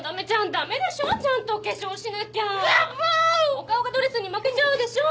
お顔がドレスに負けちゃうでしょ！？